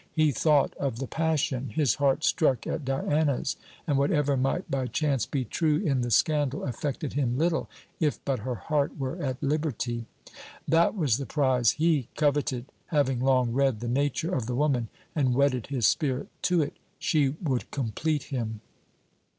He thought of the passion. His heart struck at Diana's, and whatever might by chance be true in the scandal affected him little, if but her heart were at liberty. That was the prize he coveted, having long read the nature of the woman and wedded his spirit to it. She would complete him.